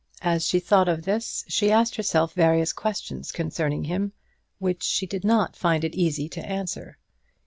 As she thought of this she asked herself various questions concerning him, which she did not find it easy to answer.